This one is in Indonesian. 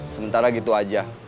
sementara gitu aja